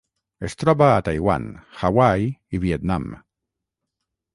Es troba a Taiwan, Hawaii i Vietnam.